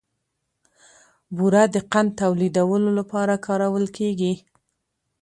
بوره د قند تولیدولو لپاره کارول کېږي.